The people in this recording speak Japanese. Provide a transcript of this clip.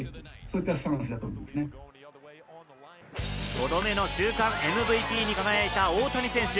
５度目の週間ＭＶＰに輝いた大谷選手。